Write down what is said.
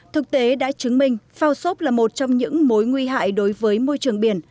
thực tế đã chứng minh phao xốp là một trong những mối nguy hại đối với môi trường biển